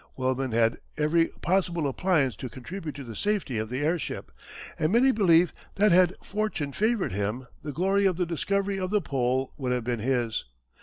Wellman had every possible appliance to contribute to the safety of the airship, and many believe that had fortune favoured him the glory of the discovery of the Pole would have been his.